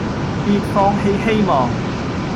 別放棄希望